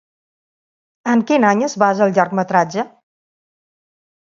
En quin any es basa el llargmetratge?